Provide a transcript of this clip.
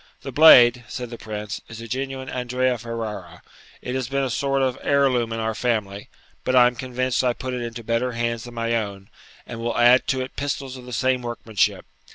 'The blade,' said the Prince, 'is a genuine Andrea Ferrara; it has been a sort of heir loom in our family; but I am convinced I put it into better hands than my own, and will add to it pistols of the same workmanship.